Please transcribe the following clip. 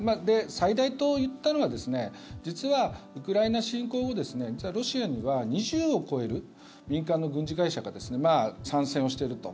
最大と言ったのは実はウクライナ侵攻後実はロシアには２０を超える民間の軍事会社が参戦をしていると。